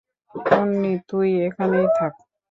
পোন্নি, তুই এখানেই থাক।